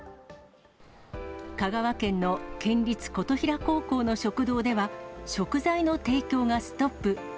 香川県の県立琴平高校の食堂では、食材の提供がストップ。